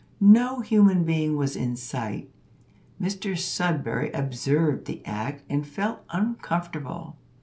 No human being was in sight. Mr Sudberry observed the act, and felt uncomfortable.